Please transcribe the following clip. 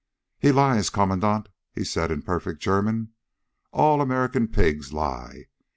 "He lies, Kommandant," he said in perfect German. "All American pigs lie.